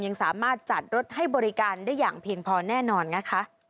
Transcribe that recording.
ยังสามารถจัดรถให้บริการได้อย่างเพียงพอแน่นอนนะคะ